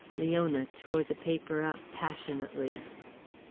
Leona tore the paper up passionately.